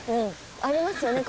ありますよね